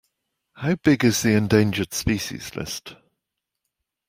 How big is the Endangered Species List?